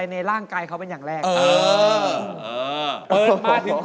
ในร่างกายเขาเป็นอย่างแรก